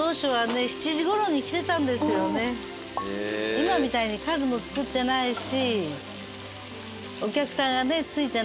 今みたいに数も作ってないし。